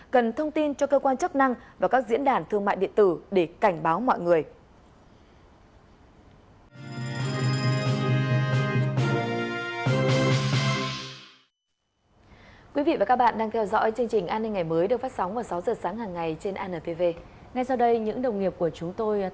cần thông tin cho cơ quan chức năng và các diễn đàn thương mại điện tử để cảnh báo mọi người